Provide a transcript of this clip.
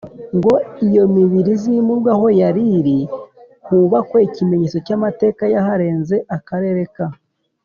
ngo iyo mibiri izimurwe aho yari iri hubakwe Ikimenyetso cy amateka yaharanze Akarere ka